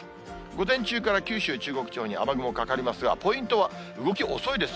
午前中から九州、中国地方に、雨雲かかりますが、ポイントは、動き遅いです。